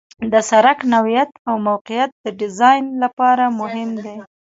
د سرک نوعیت او موقعیت د ډیزاین لپاره مهم دي